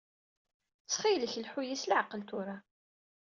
Ttxil-k, lḥu-iyi s leɛqel tura.